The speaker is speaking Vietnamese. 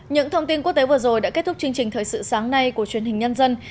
những thông tin quốc tế vừa rồi đã kết thúc chương trình thời sự sáng nay của truyền hình nhân dân